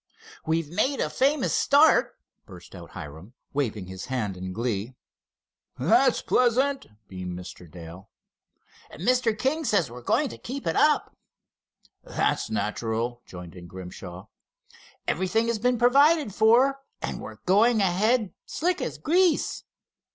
"We've made a famous start," burst out Hiram, waving his hand in glee. "That's pleasant," beamed Mr. Dale. "And Mr. King says we're going to keep it up." "That's natural," joined in Grimshaw. "Everything has been provided for, and we're going ahead slick as grease."